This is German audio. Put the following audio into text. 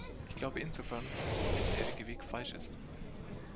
Ich glaube insofern, dass der bisherige Weg falsch ist.